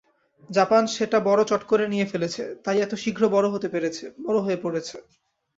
Japan সেটা বড় চট করে নিয়ে ফেলেছে, তাই এত শীঘ্র বড় হয়ে পড়েছে।